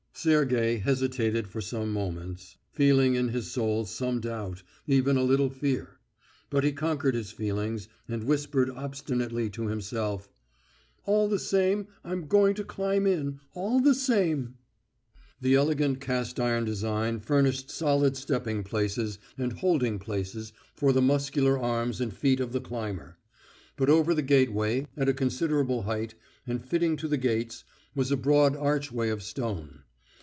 Sergey hesitated for some moments, feeling in his soul some doubt, even a little fear. But he conquered his feelings and whispered obstinately to himself: "All the same; I'm going to climb in, all the same!" The elegant cast iron design furnished solid stepping places and holding places for the muscular arms and feet of the climber. But over the gateway, at a considerable height, and fitting to the gates, was a broad archway of stone.